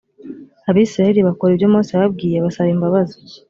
abisirayeli bakora ibyo mose yababwiye basaba imbabazi